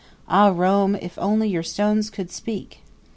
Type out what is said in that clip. Ah, Rome, if only your stones could speak!